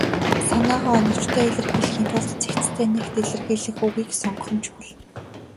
Санаагаа оновчтой илэрхийлэхийн тулд цэгцтэй, нягт илэрхийлэх үгийг сонгох нь чухал.